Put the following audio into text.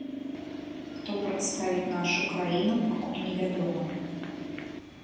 Хто прадставіць нашу краіну, пакуль невядома.